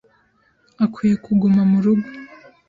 akwiye kuguma mu rugo